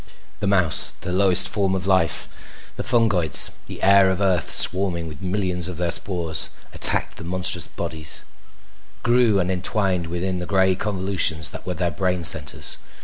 The mouse, the lowest form of life: the fungoids, the air of Earth swarming with millions of their spores, attacked the monstrous bodies, grew and entwined within the gray convolutions that were their brain centers.